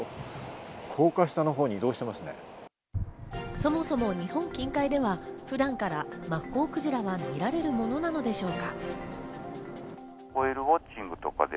そもそも日本近海では普段からマッコウクジラは見られるものなのでしょうか。